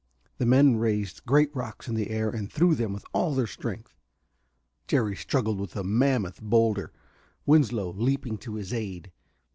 The men raised great rocks in the air and threw them with all their strength. Jerry struggled with a mammoth boulder, Winslow leaping to his aid.